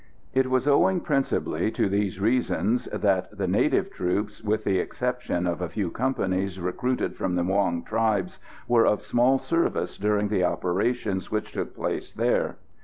It was owing principally to these reasons that the native troops, with the exception of the few companies recruited from the Muong tribes, were of small service during the operations which took place there.